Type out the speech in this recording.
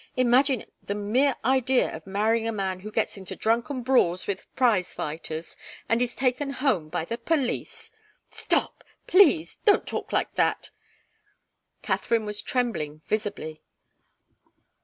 Imagine the mere idea of marrying a man who gets into drunken brawls with prize fighters and is taken home by the police " "Stop please! Don't talk like that!" Katharine was trembling visibly.